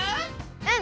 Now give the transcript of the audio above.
うん！